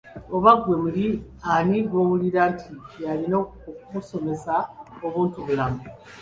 Oba ggwe muli ani gwowulira nti yalina okukusomesa obuntu bulamu?